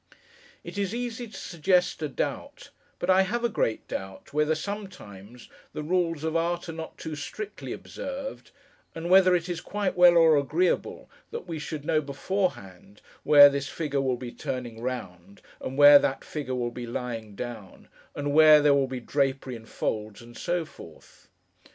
It is easy to suggest a doubt, but I have a great doubt whether, sometimes, the rules of art are not too strictly observed, and whether it is quite well or agreeable that we should know beforehand, where this figure will be turning round, and where that figure will be lying down, and where there will be drapery in folds, and so forth.